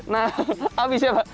nah abisnya apa